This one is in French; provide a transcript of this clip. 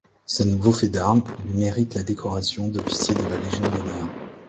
Ce nouveau fait d’armes lui mérite la décoration d’officier de la Légion d'honneur.